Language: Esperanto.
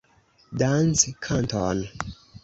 Danckanton!